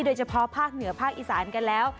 โดยเฉพาะภาคเหนือภาคอีสานกันแล้ว